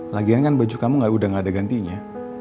lagian kan baju kamu udah gak ada gantinya